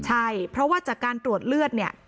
ใช่เพราะว่าจากการตรวจเลือดเนี่ย